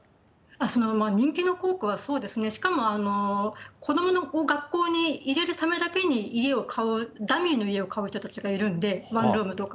その人気の校区はそうですね、しかも子どもを学校に入れるためだけに家を買う、ダミーの家を買うという人たちもいるんで、ワンルームとか。